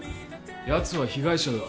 やつは被害者だ。